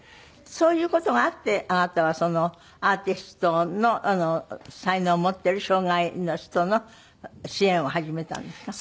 そういう事があってあなたはアーティストの才能を持ってる障がいの人の支援を始めたんですか？